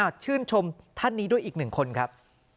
ชื่นชมท่านนี้ด้วยอีกหนึ่งคนครับ